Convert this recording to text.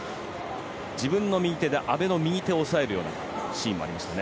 自分の右手で阿部の右手を押さえるようなシーンもありましたね。